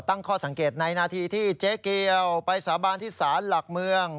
ตั้งข้อสังเกตในนาทีที่เจ๊เกียวไปสาบานที่สารหลักเมือง